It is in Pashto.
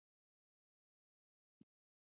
دا حالات انسان د مايوسي په لور کشوي.